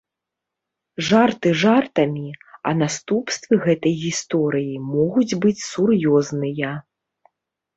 Жарты жартамі, а наступствы гэтай гісторыі могуць быць сур'ёзныя.